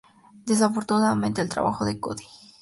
Desafortunadamente, el trabajo de Cody, Jr.